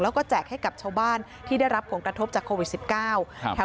แล้วก็แจกให้กับชาวบ้านที่ได้รับผลกระทบจากโควิด๑๙